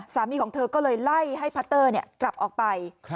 สามีของเธอก็เลยไล่ให้พัตเตอร์กลับออกไป